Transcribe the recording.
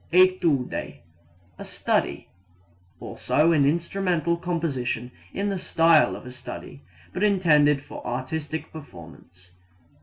Etude a study. Also an instrumental composition in the style of a study, but intended for artistic performance.